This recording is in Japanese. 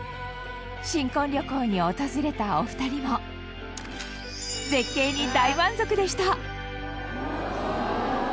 新婚旅行に訪れたお二人も絶景に大満足でした！